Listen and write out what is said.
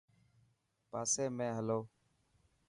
پاسي ۾ هلو.